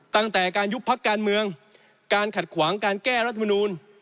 ตั้งแต่การยุบพักการเมืองการขัดขวางการแก้รัฐมนูล